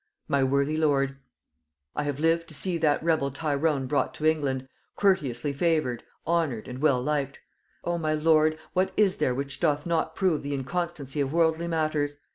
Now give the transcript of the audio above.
"My worthy lord, "I have lived to see that d e rebel Tyrone brought to England, courteously favored, honored, and well liked. O! my lord, what is there which doth not prove the inconstancy of worldly matters!